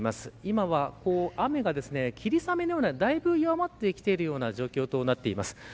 今は、雨が霧雨のようなだいぶ弱まってきている状況となっています。